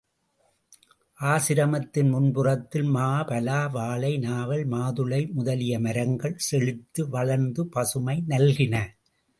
ஆசிரமத்தின் முன்புறத்தில் மா, பலா, வாழை, நாவல், மாதுளை முதலிய மரங்கள் செழித்து வளர்ந்து பசுமை நல்கின.